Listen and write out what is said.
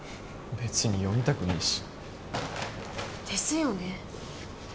別に読みたくねえし。ですよね。